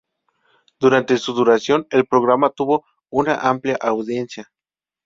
Durante su duración, el programa tuvo una amplia audiencia.